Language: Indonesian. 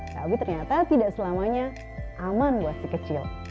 tapi ternyata tidak selamanya aman buat si kecil